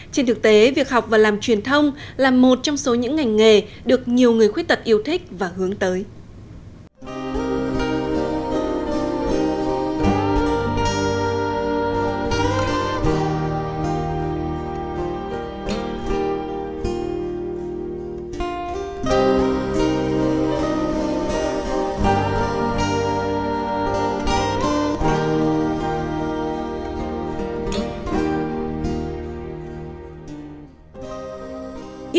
trên thực tế việc học và làm truyền thông là một trong số những ngành nghề được nhiều người khuyết tật yêu thích và hướng tới